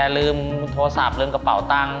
ลืมโทรศัพท์ลืมกระเป๋าตังค์